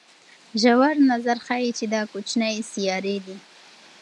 ژور نظر ښيي چې دا کوچنۍ سیارې دي.